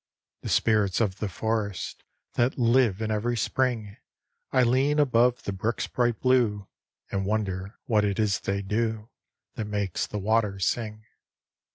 The spirits of the forest, That live in every spring I lean above the brook's bright blue And wonder what it is they do That makes the water sing.